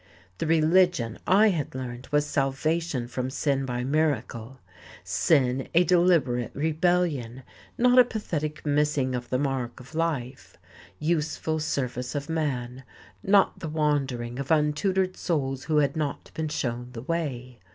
The "religion" I had learned was salvation from sin by miracle: sin a deliberate rebellion, not a pathetic missing of the mark of life; useful service of man, not the wandering of untutored souls who had not been shown the way.